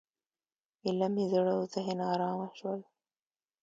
ایله مې زړه او ذهن ارامه شول.